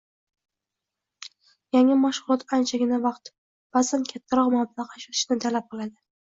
Yangi mashg‘ulot anchagina vaqt, baʼzan kattaroq mablag‘ ajratishni talab qiladi.